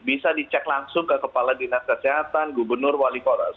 bisa dicek langsung ke kepala dinas kesehatan gubernur wali kota